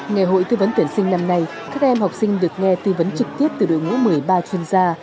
ngày hội tư vấn tuyển sinh năm nay các em học sinh được nghe tư vấn trực tiếp từ đội ngũ một mươi ba chuyên gia